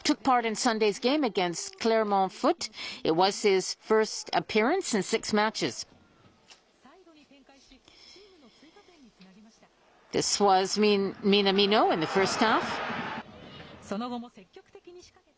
サイドに展開し、チームの追加点につなげました。